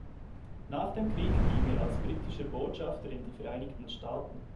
Nach dem Krieg ging er als britischer Botschafter in die Vereinigten Staaten.